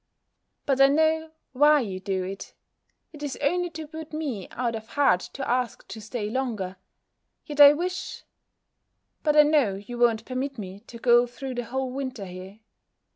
But I know why you do it: it is only to put me out of heart to ask to stay longer. Yet I wish But I know you won't permit me to go through the whole winter here.